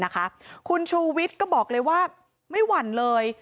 คุณชูวิทย์ก็บอกเลยว่าไม่หวั่นเลย